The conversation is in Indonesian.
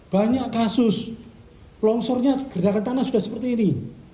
banyak kasus longsornya gerjakan tanah sudah seperti ini